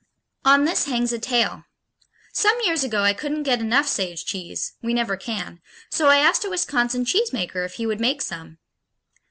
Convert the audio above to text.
On this hangs a tale. Some years ago I couldn't get enough sage cheese (we never can) so I asked a Wisconsin cheesemaker if he would make some.